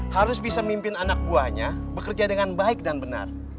harus bisa mimpin anak buahnya bekerja dengan baik dan benar